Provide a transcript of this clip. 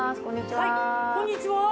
・はいこんにちは。